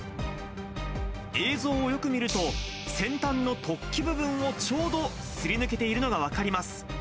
映像をよく見ると、先端の突起部分をちょうどすり抜けているのが分かります。